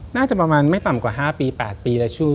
น่าจะประมาณไม่ต่ำกว่า๕๘ปีเลย